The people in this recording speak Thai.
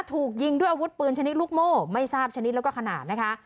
ถูกยิงด้วยอาวุธปืนชนิดลูกโม่ไม่ทราบชนิดแล้วก็ขนาดนะคะ